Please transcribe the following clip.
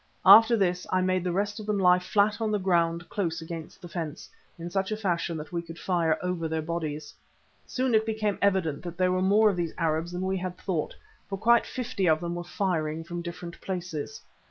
After this I made the rest of them lie flat on the ground close against the fence, in such a fashion that we could fire over their bodies. Soon it became evident that there were more of these Arabs than we had thought, for quite fifty of them were firing from different places.